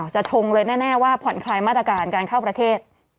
ชงเลยแน่ว่าผ่อนคลายมาตรการการเข้าประเทศ